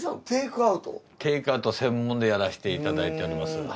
テイクアウト専門でやらせていただいております。